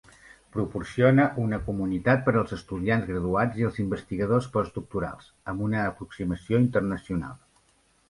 Proporciona una comunitat per als estudiants graduats i els investigadors postdoctorals, amb una aproximació internacional.